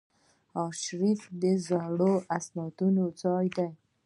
ارشیف د زړو اسنادو ځای دی